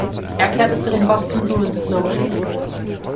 Er kehrte zu den Boston Bruins zurück.